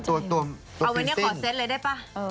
เอาวันนี้ขอเซ็ตเลยได้ป่ะ